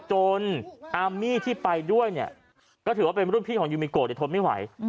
อาร์มี่ที่ไปด้วยเนี่ยก็ถือว่าเป็นรุ่นพี่ของยูมิโกทนไม่ไหว